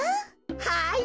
はい。